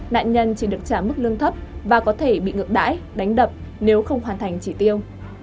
nạn nhân chỉ được trả mức lương thấp và có thể bị ngược đãi đánh đập nếu không hoàn thành chỉ tiêu